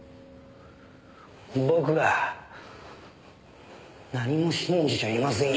僕は何も信じちゃいませんよ。